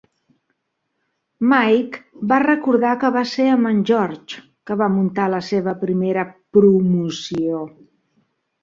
Mike va recordar que va ser amb en George que va muntar la seva primera "promoció".